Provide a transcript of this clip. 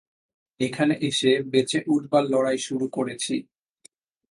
এখানে এসে বেঁচে উঠবার লড়াই শুরু করেছি।